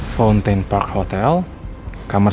fountain park hotel kamar seribu dua ratus tujuh